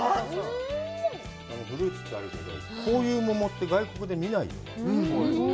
フルーツといったらあれだけど、こういう桃って、外国で見ないよね。